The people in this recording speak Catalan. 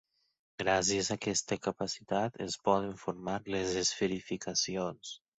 Gràcies a aquesta capacitat es poden formar les esferificacions.